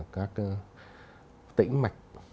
các tỉnh mạch